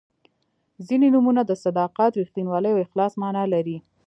•ځینې نومونه د صداقت، رښتینولۍ او اخلاص معنا لري.